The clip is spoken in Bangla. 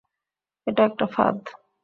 এটা একটা ফাঁদ!